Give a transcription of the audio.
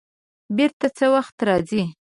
بېرته څه وخت راځې؟